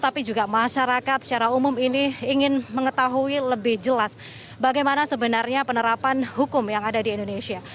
tapi juga masyarakat secara umum ini ingin mengetahui lebih jelas bagaimana sebenarnya penerapan hukum yang ada di indonesia